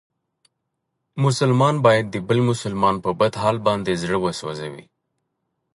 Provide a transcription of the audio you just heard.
مسلمان باید د بل مسلمان په بد حال باندې زړه و سوځوي.